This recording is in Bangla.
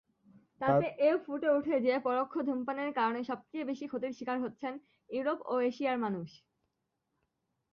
তাতে এও ফুটে ওঠে যে, পরোক্ষ ধূমপানের কারণে সবচেয়ে বেশি ক্ষতির স্বীকার হচ্ছেন ইউরোপ ও এশিয়ার মানুষ।